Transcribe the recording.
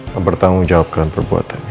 mempertanggung jawabkan perbuatannya